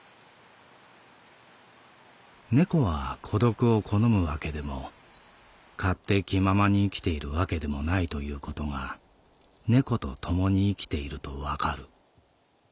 「猫は孤独を好むわけでも勝手気ままに生きているわけでもないということが猫とともに生きているとわかる。